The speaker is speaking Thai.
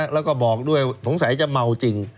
แล้วก็บอกด้วยสงสัยจะเมาจริง